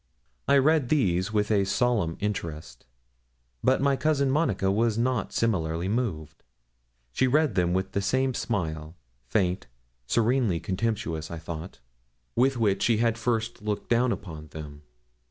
I read these with a solemn interest, but my cousin Monica was not similarly moved. She read them with the same smile faint, serenely contemptuous, I thought with which she had first looked down upon them.